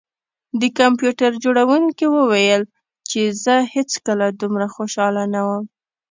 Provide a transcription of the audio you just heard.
د کمپیوټر جوړونکي وویل چې زه هیڅکله دومره خوشحاله نه وم